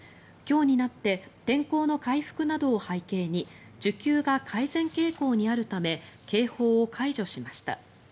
今日になって天候の回復などを背景に需給が改善傾向にあるため警報を解除しました。